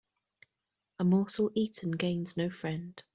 A morsel eaten gains no friend.